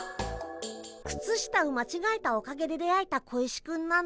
靴下を間違えたおかげで出会えた小石くんなんだ。